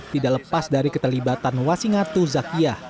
tidak lepas dari keterlibatan wasingatu zakia